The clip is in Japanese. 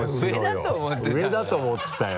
俺上だと思ってたな。